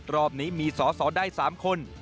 รอบนี้มีสอสอได้๓คน